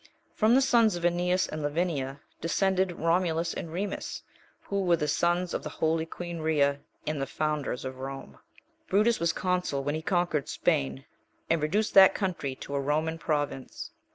From the sons of Aeneas and Lavinia descended Romulus and Remus, who were the sons of the holy queen Rhea, and the founders of Rome. Brutus was consul when he conquered Spain, and reduced that country to a Roman province.